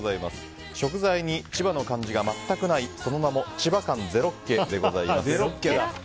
食材に千葉の感じが全くないその名も千葉感ゼロッケです。